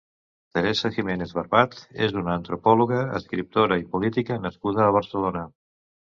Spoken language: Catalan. Teresa Giménez Barbat és una antropòloga, escriptora i política nascuda a Barcelona.